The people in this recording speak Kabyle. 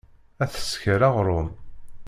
Ad tesker aɣṛum.